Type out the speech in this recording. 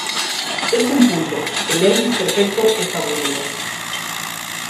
En un punto, el Elvis perfecto es aburrido.